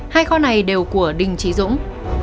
hai kho này đều của đình trí dũng